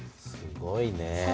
すごいね。